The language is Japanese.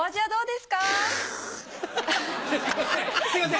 すいません！